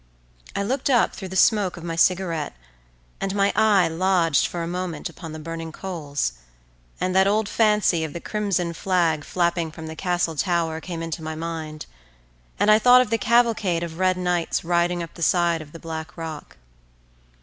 I looked up through the smoke of my cigarette and my eye lodged for a moment upon the burning coals, and that old fancy of the crimson flag flapping from the castle tower came into my mind, and I thought of the cavalcade of red knights riding up the side of the black rock.